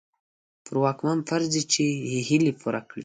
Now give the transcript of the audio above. په واکمن فرض دي چې هيلې پوره کړي.